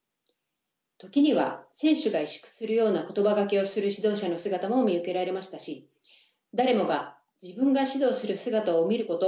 時には選手が委縮するような言葉がけをする指導者の姿も見受けられましたし誰もが自分が指導する姿を見ること